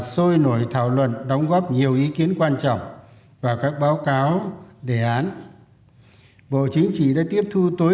sôi nổi thảo luận đóng góp nhiều ý kiến quan trọng và các báo cáo đề án bộ chính trị đã tiếp thu tối